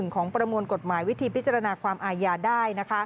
ของประมวลกฎหมายวิธีพิจารณาความอาญาได้